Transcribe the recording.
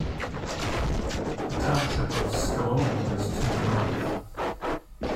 The township of Scullomie is to the north.